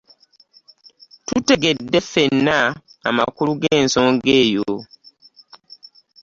Tutegedde ffenna amakulu ge nsonga eyo.